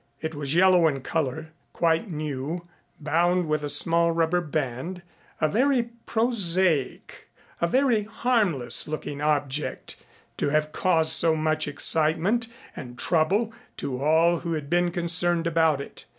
It was yellow in color, quite new, bound with a small rubber band, a very prosaic, a very harmless looking object to have caused so much excitement and trouble to all who had been concerned about it.